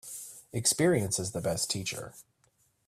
Experience is the best teacher.